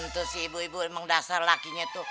tuh sih ibu ibu emang dasar lakinya tuh